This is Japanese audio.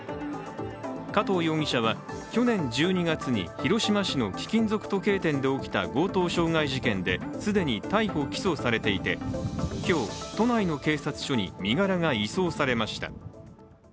加藤容疑者は去年１２月に広島市の貴金属時計店で起きた強盗傷害事件で既に逮捕・起訴されていて、今日、都内の警察署に身柄が移送されました。